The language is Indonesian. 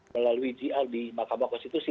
melalui jl di mahkamah konstitusi